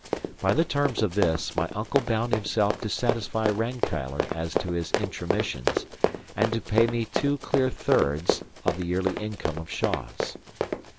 By the terms of this, my uncle bound himself to satisfy Rankeillor as to his intromissions, and to pay me two clear thirds of the yearly income of Shaws.